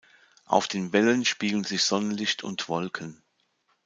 Auf den Wellen spiegeln sich Sonnenlicht und Wolken.